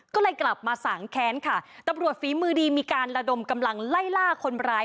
ก็เลยกลับมาสางแค้นค่ะตำรวจฝีมือดีมีการระดมกำลังไล่ล่าคนร้าย